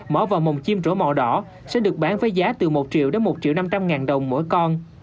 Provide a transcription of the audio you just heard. mỏ vào mồm chim rửa màu đỏ sẽ được bán với giá từ một triệu đến một triệu năm trăm linh ngàn đồng mỗi con